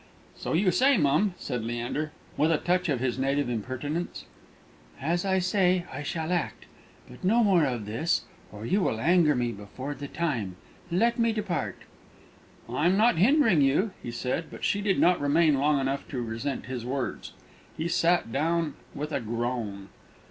"So you say, mum!" said Leander, with a touch of his native impertinence. "As I say, I shall act; but no more of this, or you will anger me before the time. Let me depart." "I'm not hindering you," he said; but she did not remain long enough to resent his words. He sat down with a groan.